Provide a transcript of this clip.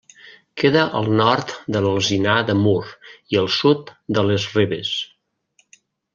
Queda al nord de l'Alzinar de Mur i al sud de les Ribes.